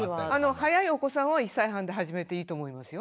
早いお子さんは１歳半で始めていいと思いますよ。